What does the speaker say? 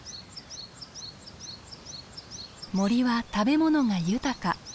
森は食べ物が豊か。